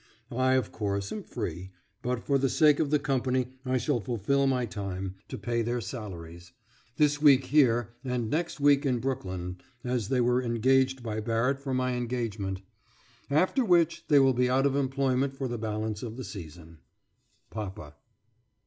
I, of course, am free; but for the sake of the company I shall fulfil my time, to pay their salaries, this week here; and next week in Brooklyn, as they were engaged by Barrett for my engagement. After which they will be out of employment for the balance of the season... PAPA.